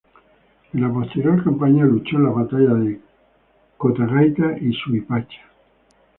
En la posterior campaña luchó en las batallas de Cotagaita y Suipacha.